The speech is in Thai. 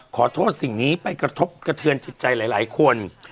ขอโทษสิ่งนี้ไปกระทบกระเทือนจิตใจหลายคน